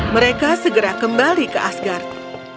mereka segera kembali ke asgard